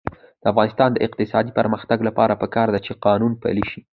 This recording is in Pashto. د افغانستان د اقتصادي پرمختګ لپاره پکار ده چې قانون پلی شي.